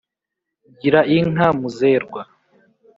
gira inka muzerwa